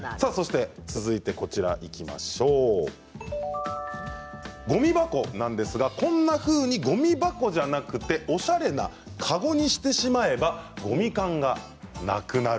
続いて、ごみ箱なんですがこんなふうにごみ箱じゃなくておしゃれな籠にしてしまえばごみ感がなくなる。